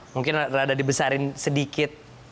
mungkin ada dibesarin sedikit